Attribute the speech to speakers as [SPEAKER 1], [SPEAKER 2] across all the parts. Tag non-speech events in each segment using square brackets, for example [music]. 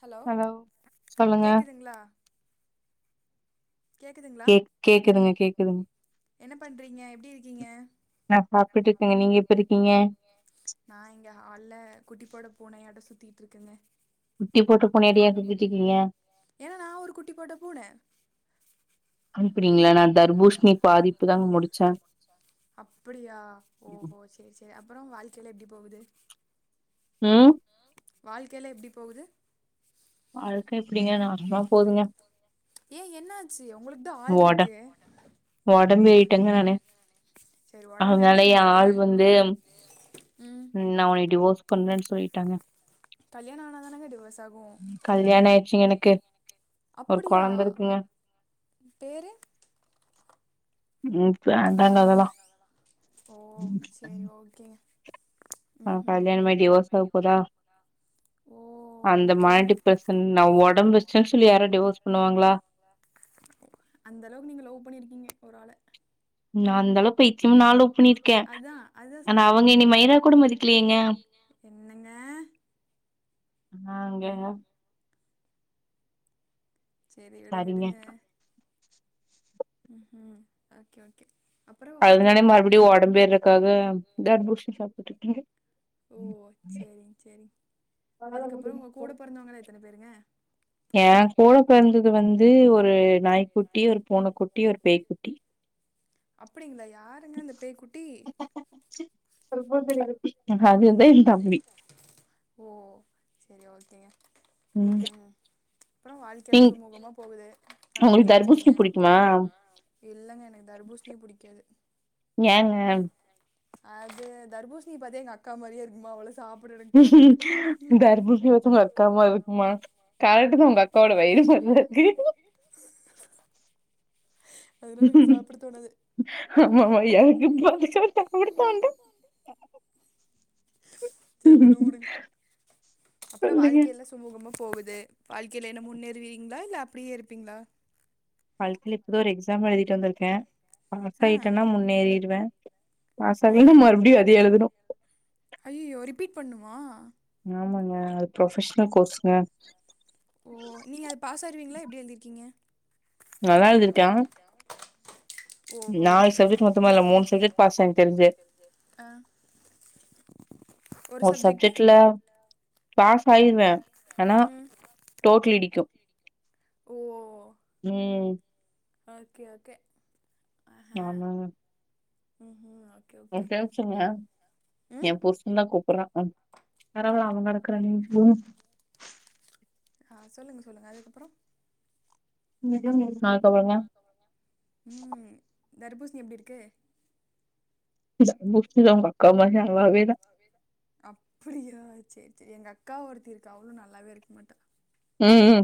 [SPEAKER 1] Hello
[SPEAKER 2] சொல்லுங்க
[SPEAKER 1] கேக்குதுங்ளா கேக்குதுங்ளா
[SPEAKER 2] கேக் கேக்குதுங்க கேக்குதுங்
[SPEAKER 1] பண்றீங்க எப்டி இருக்கீங்க
[SPEAKER 2] நா சாப்ட்டு இருக்கேங்க நீங்க எப்டி இருக்கீங்க
[SPEAKER 1] நா இங்க ஹால்ல குட்டி போட்ட பூனையாட்டோ சுத்திட்டு இருக்கேங்க குட்டி போட்ட பூனைய ஏன் சுத்திட்டு இருக்கீங்க ஏன்னா நா ஒரு குட்டி போட்ட பூன
[SPEAKER 2] அனுப்புறீங்களா
[SPEAKER 1] இல்ல நா
[SPEAKER 2] தர்பூஷ்ணி
[SPEAKER 1] தர்பூசணி
[SPEAKER 2] பாதிப்பு தாங்க
[SPEAKER 1] பாதி இப்பதாங்க முடிச்சே அப்படியா ஓஹோ சே சேர் சேரி அப்பறோ வாழ்க்கை எல்லா எப்டி போகுது
[SPEAKER 2] உம்
[SPEAKER 1] வாழ்க்கை எல்லா எப்டி போகுது
[SPEAKER 2] வாழ்க்க இப்படிங்க நாசமா போதுங்க
[SPEAKER 1] ஏன் என்ன ஆச்சு உங்களுக்கு தா ஆள்
[SPEAKER 2] ஒட
[SPEAKER 1] இருக்கே ஒடம்பு ஏறிட்டங்க நானு சேரி
[SPEAKER 2] அதனால என் ஆள் வந்து
[SPEAKER 1] ம்
[SPEAKER 2] நா உன்னய டிவோர்ஸ் பண்றேனு சொல்லிட்டாங்க
[SPEAKER 1] கல்யாணம் ஆனா தானங்க டிவோர்ஸ் ஆகு
[SPEAKER 2] கல்யாணம் ஆயிச்சிங்க எனக்கு ஒரு
[SPEAKER 1] அப்படியா
[SPEAKER 2] கொழந்த இருக்குங்க
[SPEAKER 1] பேரு
[SPEAKER 2] உம் வேண்டாங்க அதெல்லா
[SPEAKER 1] ஓ சேரி ஓக்கேங்க
[SPEAKER 2] ஆ கல்யாணம் ஆகி டிவோர்ஸ் ஆக போதா
[SPEAKER 1] ஓ
[SPEAKER 2] அந்த
[SPEAKER 1] ஓகே
[SPEAKER 2] மாறி டிப்ரஷன் நா ஒடம்பு வச்சேன்னு சொல்லி யாராவது டிவோர்ஸ் பண்ணுவாங்ளா
[SPEAKER 1] அந்த அளவுக்கு நீங்க லவ் பண்ணியிருக்கீங்க ஒரு ஆள
[SPEAKER 2] நா அளவு
[SPEAKER 1] அந்த
[SPEAKER 2] பைத்தியமா
[SPEAKER 1] அளவுக்கு
[SPEAKER 2] நா லவ்
[SPEAKER 1] இத்துன்
[SPEAKER 2] பண்ணிருக்கே
[SPEAKER 1] நாளுக்கு அத்தா அத்தா சொன்னே ஆனா அவங்க என்ன மயிரா கூட மதிக்கலையேங்க என்னங்க ம்
[SPEAKER 2] ஆகேங்க
[SPEAKER 1] சேரி விடுங்க
[SPEAKER 2] சரிங்க
[SPEAKER 1] விடுங்க ம் ம் ஓக்கே ஓக்கே அப்புறோ வாழ்க்கை எல்லா எப்டி அதனாலயே மறுபடியு ஒடம்பு ஏறக்காக
[SPEAKER 2] தர்பூசணி
[SPEAKER 1] [unintelligible]
[SPEAKER 2] சாப்ட்டுட்டு இருக்கேங்க
[SPEAKER 1] ஓ சேரிங் சேரிங் அதுக்கப்புறோ உங்க கூட பொறந்தவங்கல்லா எத்தனை பேருங்க ஏ கூட பிறந்தது வந்து ஒரு நாய்குட்டி ஒரு பூன குட்டி ஒரு பேய்க்குட்டி அப்படிங்ளா யாருங்க அந்த பேய்க்குட்டி
[SPEAKER 2] செல்ஃபோன் [unintelligible] குட்டி
[SPEAKER 1] ஓ சேரி ஓக்கேங்க ம் ம் அப்றோ வாழ்க்கை எல்லா
[SPEAKER 2] நீங்
[SPEAKER 1] சுமுகமா போகுது
[SPEAKER 2] உங்களுக்கு
[SPEAKER 1] நல்லபடியா இருக்கறீங்க
[SPEAKER 2] தர்பூசணி புடிக்குமா
[SPEAKER 1] மா இல்லங்க எனக்கு தர்பூஷிணியே புடிக்காது.
[SPEAKER 2] ஏங்க
[SPEAKER 1] அது தர்பூசணிய பாத்த எங்க அக்கா மாறியே இருக்குமா அவள சாப் பிடணும்னு தோனாது தர்பூசணி அவங்க அக்கா மாறி இருக்குமா
[SPEAKER 2] கோட வெயிலு சங்கத்தில்
[SPEAKER 1] அதனால எனக்கு சாப்பிட தோணாது
[SPEAKER 2] ஆமா ஆமா எனக்கும் [unintelligible]
[SPEAKER 1] சேரி உடு உடுங் அப்றோ
[SPEAKER 2] சொல்லுங்க
[SPEAKER 1] வாழ்க்கைல சுமுகமா போகுது வாழ்க்கைல என்ன முன்னேறுவீங்ளா இல்ல அப்பிடியே இருப்பீங்ளா
[SPEAKER 2] வாழ்க்கைல இப்பதா ஒரு எக்ஸாம் எழுதிட்டு வந்திருக்கே பாஸ்
[SPEAKER 1] ஆ
[SPEAKER 2] ஆயிட்டன்னா முன்னேறிருவே பாஸ் ஆவலென்னா மறுபுடியு அதே எழுதணு
[SPEAKER 1] ஐய்யயோ ரிப்பீட் பண்ணுமா
[SPEAKER 2] ஆமாங்க அது ப்ரொபெஷனல் கோர்ஸுங்க
[SPEAKER 1] ஓ நீங்க அது பாசாருவீங்களா எப்டி எழுதிருக்கீங்க
[SPEAKER 2] நல்லா எழுதிருக்கே
[SPEAKER 1] ஓஹோ
[SPEAKER 2] நாலு சப்ஜெக்ட் மொத்தமால்ல மூணு சப்ஜெக்ட் பாஸ் எனக் தெரிஞ்சு
[SPEAKER 1] ஆ
[SPEAKER 2] ஒரு சப்ஜெக்ட்ல பாஸ் ஆயிருவே ஏனா
[SPEAKER 1] ம்
[SPEAKER 2] டோட்ல் இடி
[SPEAKER 1] ஓ
[SPEAKER 2] ம்
[SPEAKER 1] ஓகே ஓகே
[SPEAKER 2] ஆமா
[SPEAKER 1] உஹூம் அ
[SPEAKER 2] எப்பாச்சிங்க எ புருச தா கூப்பறா பரவல அவன் கடக்குறா நீ போ
[SPEAKER 1] ஆ சொல்லுங்க சொல்லுங்க அதுக்கப்ற
[SPEAKER 2] நெஜு
[SPEAKER 1] ம் தர்பூசணி எப்டிருக்கு
[SPEAKER 2] இந்த புக்கு தா அவங்க அக்கா மாரி நல்லாவே இல்ல
[SPEAKER 1] அவேதா அப்டியா சேரி சேரி எங்க அக்கா ஒருத்தி இருக்கா அவளு நல்லாவே இருக்க மாட்டா
[SPEAKER 2] ம்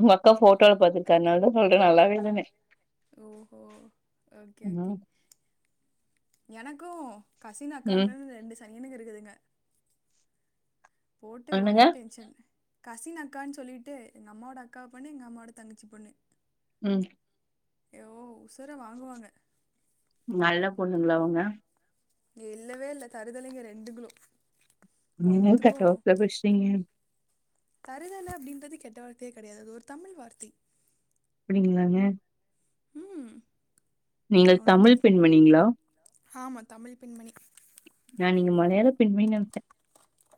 [SPEAKER 2] உங்க அக்கா போட்டோல பாத்திருக்கே அதனால தா சொல்றே நல்லாவே இல்லனு
[SPEAKER 1] ஓஹொ ஓகே ஓகே
[SPEAKER 2] ம்
[SPEAKER 1] எனக்கு கசின்
[SPEAKER 2] ம்
[SPEAKER 1] அக்காங்கனு ரெண்டு சனியனுங்க இருக்குதுங்க போட்டு
[SPEAKER 2] என்னங்க
[SPEAKER 1] ஒரே டென்ஷன் கசின் அக்கான்னு சொல்லிட்டு எங்க அம்மாவோட அக்கா பொண்ணு எங்க அம்மாவோட தங்கச்சி பொண்ணு
[SPEAKER 2] ம்
[SPEAKER 1] ஏ ஓ உசுர வாங்குவாங்க
[SPEAKER 2] நல்ல பொண்ணுங்களா அவுங்க
[SPEAKER 1] இங்க இல்லவே இல்ல தருதலைங்க ரெண்டுங்குளு
[SPEAKER 2] நீ கட்டாப்ல பேச்சிறீங்க
[SPEAKER 1] தருதல அப்டின்றது கெட்டவார்த்தையே கடையாது அது ஒரு தமிழ் வார்த்தை
[SPEAKER 2] அப்டிங்களாங்க
[SPEAKER 1] ம்
[SPEAKER 2] நீங்கள் தமிழ்
[SPEAKER 1] ஒண்ணுத்துக்
[SPEAKER 2] பெண்மணிங்களா
[SPEAKER 1] ஆமா தமிழ் பெண்மணி
[SPEAKER 2] நா நீங்க மலயாள பெண்மணி நென்ச்சேன்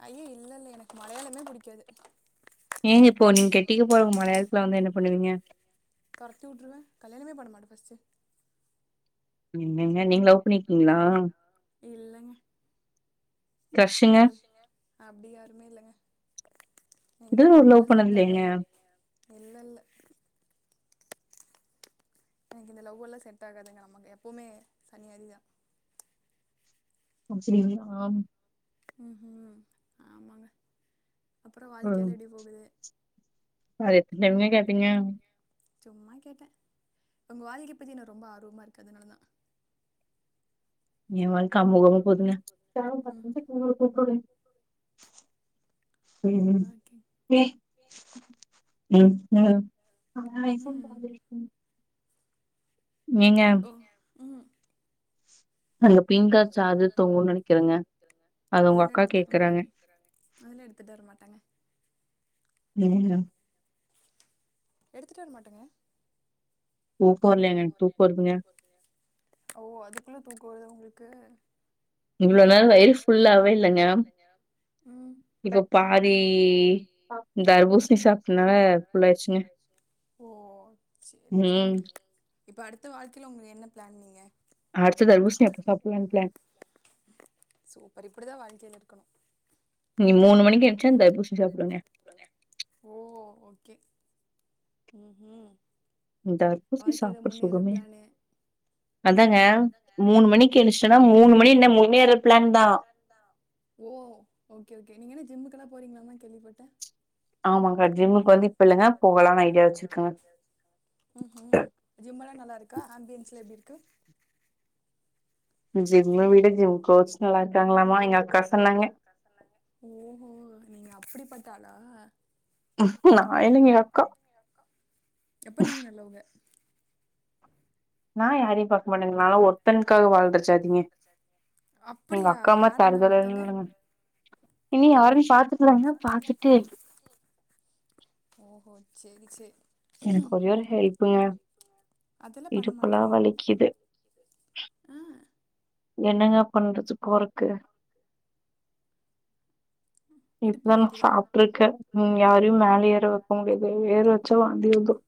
[SPEAKER 1] ஐயோ இல்ல இல்ல எனக்கு மலையாளமே புடிக்காது [unintelligible]
[SPEAKER 2] ஏங்க
[SPEAKER 1] உ ஏன்
[SPEAKER 2] நீங்க
[SPEAKER 1] இப்போ
[SPEAKER 2] கெட்டிக்க போறவங்க
[SPEAKER 1] நீங்கட்டீட்டுதா
[SPEAKER 2] மலையாளத்துல வந்து என்ன பண்ணுவீங்க
[SPEAKER 1] நத்துலங்க கரத்தி உட்டுறுவே கல்யாணமே பண்ண மாட்டேன் ஃபர்ஸ்ட்
[SPEAKER 2] என்னங்க நீங்க லவ் பண்ணிக்கீங்களா
[SPEAKER 1] சந்தோசங்க அப்டி யாருமே இல்லங்க இந்த
[SPEAKER 2] இதுவர ஒரு
[SPEAKER 1] லவ் எல்லா
[SPEAKER 2] பண்ணது
[SPEAKER 1] செட்
[SPEAKER 2] இல்லையேங்க
[SPEAKER 1] ஆகாது இல்ல இல்ல எனக்கு இந்த லவ்வெல்லா செட் ஆகாதுங்க நமக்கு எப்போமே சனி அ தா
[SPEAKER 2] சரிங்க ஆமா
[SPEAKER 1] ம் ம் ஆமாங்க அப்றம்
[SPEAKER 2] ம்
[SPEAKER 1] வாழ்க்கல்லா எப்டி போகுது
[SPEAKER 2] அது எத்தன டைம்ங்க கேப்பீங்க
[SPEAKER 1] சும்மா கேட்டே உங்க வாழ்க்கை பத்தி எனக்கு ரொம்ப ஆர்வமா இருக்கு அதனால தா
[SPEAKER 2] ஏ வாழ்க்க அமோகமா போதுங்க
[SPEAKER 1] ம்
[SPEAKER 2] ம்
[SPEAKER 1] ஓகே
[SPEAKER 2] ம் ம்
[SPEAKER 1] ம்
[SPEAKER 2] நீங்க
[SPEAKER 1] ஒ ம்
[SPEAKER 2] நல்ல பிங் அது உங்க
[SPEAKER 1] அதெல்லா
[SPEAKER 2] அக்கா
[SPEAKER 1] எடுத்துட்டு வர மாட்ட
[SPEAKER 2] கேக்குறாங்க.
[SPEAKER 1] அதுலா எடுத்துட்டு வர மாட்டாங்க
[SPEAKER 2] ஏங்க
[SPEAKER 1] எடுத்துட்டு வர மாட்டங்க
[SPEAKER 2] தூக்கோ வர்லயாங்க எனக் தூக்கோ வருதுங்க
[SPEAKER 1] [inaudible] ஓ அதுக்குள்ள தூக்கோ வருதா உங்ளுக்கு
[SPEAKER 2] இவ்ளோ நேரோ வயிறு ஃபுல்லாவவே இல்லங்க
[SPEAKER 1] ம்
[SPEAKER 2] இப்ப பாதி தர்பூசணி சாப்ட்டனால ஃபுல்லாயிடுச்சுங்க
[SPEAKER 1] ஓ செரி செரி இப்ப அடுத்த வாழ்க்கையில உங்க என்ன பிளான் நீங்க
[SPEAKER 2] அடுத்த தர்ப்பூசணிய எப்ப சாப்பலான் பிளான்
[SPEAKER 1] சூப்பர் இப்டி தா வாழ்கையில இருக்கணு
[SPEAKER 2] நீங்க மூணு மணிக்கு என்ச்சா தர்பூசணி சாப்டுங்கே
[SPEAKER 1] ஓ ஓகே ம் ஹு
[SPEAKER 2] தர்பூசணி சாப்பட்ற சுகமே
[SPEAKER 1] பிளானு
[SPEAKER 2] அதாங்க மூணு மணிக் எனுச்சன்னா மூணு மணி என்ன முன்னேற பிளான் தா
[SPEAKER 1] ஓ ஓகே ஓகே நீங்க என்ன ஜிம்முக்கெல்லா போறீங்ளாமா கேள்விப்பட்ட
[SPEAKER 2] ஆமாங்க ஜிம்முக்கு வந்து இப்ப இல்லங்க போகலான் ஐடியா வச்சிருக்கங்க
[SPEAKER 1] ம் ஹு ஜிம் எல்லா நல்லா இருக்கா ஆம்பியன்ஸ்ல எப்டி இருக்கு
[SPEAKER 2] ஜிம்ம விட ஜிம் கோச் நல்லா இருக்காங்களாமா எங்க அக்கா சொன்னாங்க
[SPEAKER 1] ஓஹோ நீங்க அப்படி பட்ட ஆளா
[SPEAKER 2] நான் இல்லைங்க எங்க அக்கா
[SPEAKER 1] அப்ப நீங்க நல்லவுங்க
[SPEAKER 2] நா யாரையு பார்க் மாட்டங்க நாலா ஒருத்தன்காக வாழ்ற ஜாதீங்க எங்க
[SPEAKER 1] அப்படியா
[SPEAKER 2] அக்கா மார்
[SPEAKER 1] யார் அந்த
[SPEAKER 2] தருதல
[SPEAKER 1] ஒருத்தங்க
[SPEAKER 2] இல்லங்க
[SPEAKER 1] ஓ
[SPEAKER 2] இனி யாருன் பாத்து இல்லங்க பாத்துட்டு
[SPEAKER 1] ஓஹோ செரி சேர்
[SPEAKER 2] எனக்கு ஒரே ஒரு ஹெல்ப்புங்க
[SPEAKER 1] அதெல்லா பண்ண
[SPEAKER 2] இடுப்புலா
[SPEAKER 1] மாட்டேங்க
[SPEAKER 2] வலிக்குது
[SPEAKER 1] ஆ
[SPEAKER 2] என்னங்க பண்றது போறக்கு
[SPEAKER 1] ம் இடுப்பு
[SPEAKER 2] இப்பதா நா
[SPEAKER 1] வலிக்குதா
[SPEAKER 2] சாப்ட்ருக்கே ம் யாரையு மேல ஏற வைக்க முடியாது ஏற வச்சா வாந்தி வந்துரு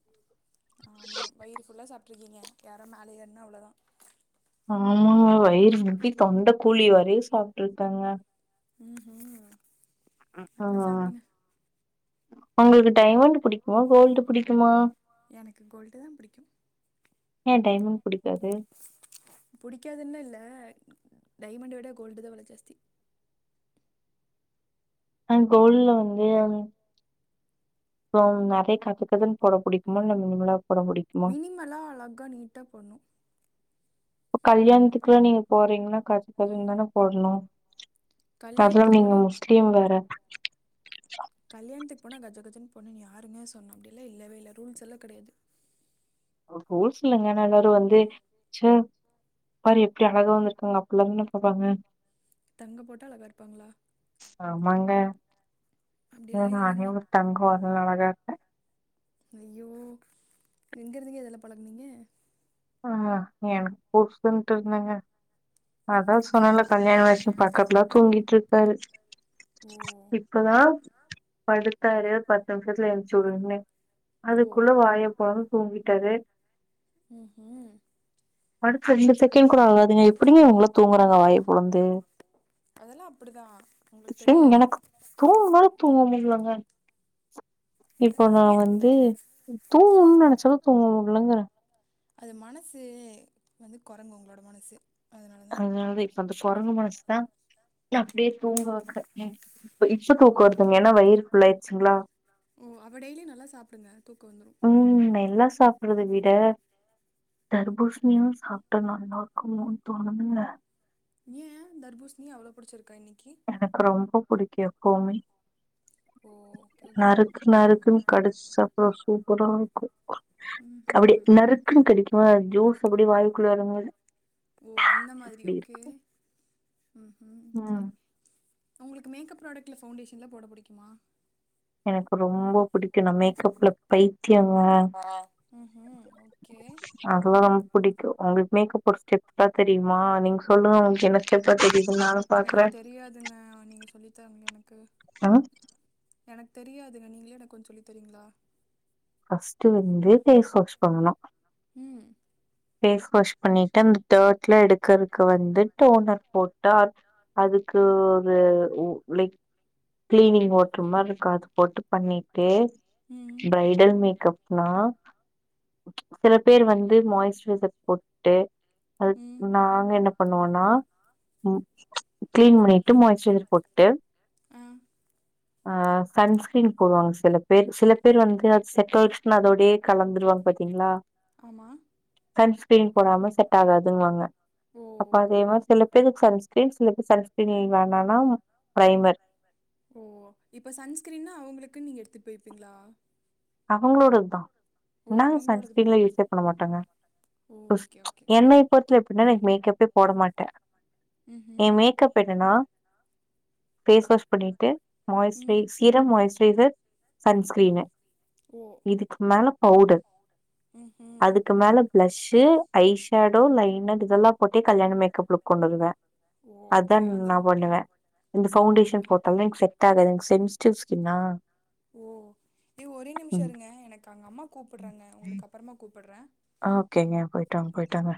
[SPEAKER 1] ஆமா வயிறு ஃபுல்லா சாப்ட்ருக்கீங்க யாரு மேல ஏற்ன்னா அவ்ளோதா
[SPEAKER 2] ஆமாங்க வயிறு உப்பி தொண்டக் குழி வரையு சாப்ட்ருக்கங்க
[SPEAKER 1] ம்ஹு
[SPEAKER 2] ஆ
[SPEAKER 1] நல்லா சாப்டுங்க உங்களுக்கு டைமண்ட் புடிக்குமா கோல்டு புடிக்குமா
[SPEAKER 2] ஏ டைமண்ட் புடிக்காது
[SPEAKER 1] புடிக்காதுன்னுல்ல டைமண்ட்ட விட கோல்டு தா வெல ஜாஸ்தி
[SPEAKER 2] அ கோல்ல வந்து அப்றோ நெறைய கஜகஜன்னு போட புடிக்குமா இல்ல மினிமல்லா
[SPEAKER 1] மினிமலா அழகா நீட்டா போன்னு
[SPEAKER 2] இப்ப கல்யாணத்துக்குல்லா நீங்க போறீங்கன்னா கஜ கஜன்னு தான போடனு ததுவு
[SPEAKER 1] கல்யாணத்துக்கு
[SPEAKER 2] நீங்க
[SPEAKER 1] போனால்
[SPEAKER 2] முஸ்லீம் வேற
[SPEAKER 1] கல்யாணத்துக்கு போனா கஜ கஜன்னு போடணுண்ணு யாருங்க சொன்னா அப்டியெல்லா இல்லவே இல்ல ரூல்ஸ் எல்லா கெடையாது
[SPEAKER 2] ரூல்ஸ் இல்லங்க ஆனா எல்லாரு வந்து ச்ச பாரு எப்டி அழகா வந்துருக்காங்க அப்பில்லாந்தான பாப்பாங்க
[SPEAKER 1] தங்க போட்டா அழகா இருப்பாங்களா
[SPEAKER 2] ஆமாங்க ம் ஹு
[SPEAKER 1] அப்படியெல்லாம்
[SPEAKER 2] நானே
[SPEAKER 1] இல்லைங்க
[SPEAKER 2] ஒரு தங்கோ அதனால அழகா இருப்பே
[SPEAKER 1] ஐயோ எங்க இருந்துங்க இதெல்லா பழகுனீங்க
[SPEAKER 2] ஆமா எனக்கு புருசன்ட்டு இருந்துங்க அதா
[SPEAKER 1] ம்ஹும்.
[SPEAKER 2] சொன்னேல கல்யாண ஆயிருச்சுனு பக்கத்துல தூங்கிட்டு இருக்காரு
[SPEAKER 1] ஓ
[SPEAKER 2] இப்பதா படுத்தாரு பத்து நிமிஷத்துல எந்துச்சு உடுன்னு
[SPEAKER 1] ஓ
[SPEAKER 2] அதுக்குள்ள வாய பொளந்து தூங்கிட்டாரு
[SPEAKER 1] ம்
[SPEAKER 2] எப்டிங்க இவுங்கலா தூங்குறாங்க வாயப் பொளந்து
[SPEAKER 1] அதெல்லாம் அப்படிதான் உங்களுக்கு
[SPEAKER 2] ச்சிங்
[SPEAKER 1] தெரியாது
[SPEAKER 2] எனக்கு தூங்குனாலு தூங்க முடிலங்க
[SPEAKER 1] என்ன
[SPEAKER 2] இப்ப நா
[SPEAKER 1] சொன்னீங்க
[SPEAKER 2] வந்து தூங்கணுனு நெனச்சாலு தூங்க முடிலங்குறே
[SPEAKER 1] அது மனசு வந்து கொரங்கு உங்களோட மனசு
[SPEAKER 2] அதனால இப்ப அந்த கொரங்கு மனசுதா இல்ல அப்டியே தூங்க க் ஏ இப்ப இப் ஷ தூக்க வருதுங்க ஏனா வயிறு ஃபுல் ஆயிருச்சுங்ளா
[SPEAKER 1] ஓ அப்போ டெய்லி நல்லா சாப்டுங்க
[SPEAKER 2] ம் நெல்லா சாப்புறத விட தர்பூசணியு சாப்ட்டா நல்லா இருக்குமோன்னு தோணுதுல
[SPEAKER 1] ஏ தர்பூசிணி அவ்ளோ புடிச்சிருக்கா இன்னைக்
[SPEAKER 2] எனக்கு ரொம்ப புடிக்கு எப்போமே
[SPEAKER 1] ஓ ஓகே ஓகே
[SPEAKER 2] நறுக் கு நறுக்குன்னு கடிச்சி சாப்ட சூப்பரா இருக்கு
[SPEAKER 1] ம்ஹூம்
[SPEAKER 2] அப்டியே நறுக் குன்னு கடிக்கு போது அது ஜூஸ் அப்டியே வாயுக்குள்ள எறங்கு போது
[SPEAKER 1] ஓ அந்த மாரி ஓகே ஹு ஹும்
[SPEAKER 2] ம்
[SPEAKER 1] செரி உங்களுக்கு மேக்கப் ப்ராடக்ட்ல பவுண்டேஷன்ல போட புடிக்குமா
[SPEAKER 2] எனக்கு ரொம்போ புடிக்கு நா மேக்கப்ல பைத்தியங்க
[SPEAKER 1] ம்ஹூம் ஓகே
[SPEAKER 2] அதெல்லா ரொம்ப புடிக்கு உங்களுக்கு மேக்கப் ஒரு ஸ்டெப் ட்டா தெரியுமா நீங்க சொல்லுங்க உங்களுக்கு என்ன ஸ்டெப்பா தெரியுதுன்னு நானு பாக்குறே
[SPEAKER 1] சொல்லி தாங்க எனக்கு
[SPEAKER 2] அ
[SPEAKER 1] எனக்கு தெரியாதுங்க நீங்களே எனக்கு கொஞ்சோ சொல்லித்தரிங்ளா
[SPEAKER 2] ஃபஸ்ட்டு வந்து ஃபேஸ் வாஷ் பண்ணனு
[SPEAKER 1] ம்
[SPEAKER 2] ஃபேஸ் வாஷ் பண்ணிட்டு அந்த டர்ட்ல்லா எடுக்கறக்கு வந்து டோனர் போட்டா அது க்கு ஒரு உ லைக் கிளீனிங் ஓட்ற மாரி இருக்கு அது போட்டு பண்ணிட்டு
[SPEAKER 1] ம்
[SPEAKER 2] பிரைடல் மேக்கப்னா சில பேர் வந்து மாய்ஸ் பொட்டு அது
[SPEAKER 1] ம்
[SPEAKER 2] நாங்க என்ன பண்ணுவோ நா ம் க்ளீன் பண்ணிட்டு மாய்ஸ்ரைர் போட்டு
[SPEAKER 1] ஆ
[SPEAKER 2] ஆ சன்ஸ்க்ரீன் போடுவாங் சில பேர் சில பேர் வந்து அது செட்டாய்ர்ஸ்னா அதோடயே கலந்துருவாங் பாத்தீங்ளா
[SPEAKER 1] ஆமா
[SPEAKER 2] சன்ஸ்க்ரீன் போடாம செட் ஆகாதுன்வாங்க
[SPEAKER 1] ஓ
[SPEAKER 2] அப்ப அதே மாரி சில பேருக் சன்ஸ்க்ரீன் சில பேர் சன்ஸ்க்ரீன் எனக் வேண்டான்னா ப்ரைமர்
[SPEAKER 1] ஓ இப்போ சன்ஸ்க்ரீன்னா அவுங்களுக்கு நீங்க எடுத்துட் போய்ப்பீங்ளா
[SPEAKER 2] அவங்களோட தா
[SPEAKER 1] ஓ
[SPEAKER 2] நாங்க
[SPEAKER 1] அவங்களோடது போ
[SPEAKER 2] சன்ஸ்க்ரீன்லா யூஸே பண்ண மாட்டோங்க
[SPEAKER 1] ஓ
[SPEAKER 2] ஓஸ்
[SPEAKER 1] ஓகே ஓகே
[SPEAKER 2] என்னைய பொறுத் வர எப்பிட்னா நா எனக் மேக்கப்பே போட மாட்டே
[SPEAKER 1] ம் ம்
[SPEAKER 2] ப என்னனா ஃபேஸ் வாஷ் பண்ணீட்டு
[SPEAKER 1] ம்
[SPEAKER 2] moisturise serum moisturiser sunscreen
[SPEAKER 1] ஓ!
[SPEAKER 2] இதுக்கு மேல பவுடர்
[SPEAKER 1] ம்ஹ்ம்.
[SPEAKER 2] அதுக்கு
[SPEAKER 1] ஓ!
[SPEAKER 2] மேல ப்ளஷ்ஷு, ஐ ஷேடோ லைனட் இதெல்லா போட்டே கல்யாண மேக்கப் லுக் கொண்டு வருவே
[SPEAKER 1] ஓ!
[SPEAKER 2] அதா
[SPEAKER 1] ஓகே. அந்த
[SPEAKER 2] நா பண்ணுவே இந்த
[SPEAKER 1] ஓ!
[SPEAKER 2] Foundation
[SPEAKER 1] okay.
[SPEAKER 2] போட்டாலே எனக் செட்டாகாது எனக் சென்ஸ்டீவ் ஸ்கின்னா
[SPEAKER 1] ஓ ஏ ஒரே நிமிஷோ
[SPEAKER 2] ம்
[SPEAKER 1] இருங்க எனக் அங்க அம்மா கூப்பட்றாங்க உங்களுக்கு அப்பறமா கூப்பட்றே
[SPEAKER 2] ஓகேங்க போய்ட்வாங் போய்ட்வாங்க